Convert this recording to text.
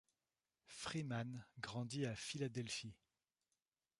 Fryman grandit à Philadelphie.